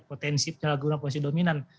potensi penyalahgunaan posisi dominan